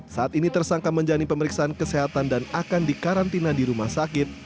saat ini tersangka menjalani pemeriksaan kesehatan dan akan dikarantina di rumah sakit